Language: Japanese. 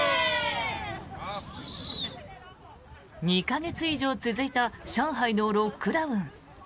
２か月以上続いた上海のロックダウン。